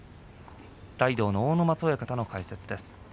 大道の阿武松親方の解説です。